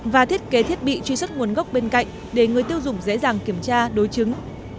và thiết kế thiết bị truy xuất nguồn gốc bên cạnh để người tiêu dùng dễ dàng kiểm tra đối chứng